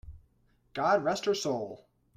God rest her soul!